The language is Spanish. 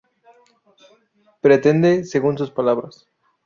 Pretende, según sus palabras,